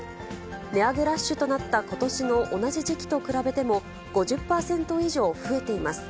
値上げラッシュとなったことしの同じ時期と比べても、５０％以上増えています。